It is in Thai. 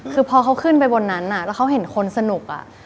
คือพอเขาขึ้นไปบนนั้นแล้วเขาเห็นคนสนุก